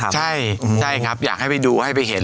ใช่ครับอยากให้ไปดูให้ไปเห็น